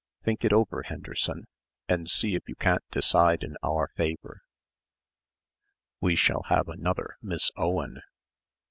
"Think it over, Henderson, and see if you can't decide in our favour." "We shall have another Miss Owen."